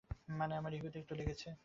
মানে, আমরা ইগোতে একটু লেগেছে।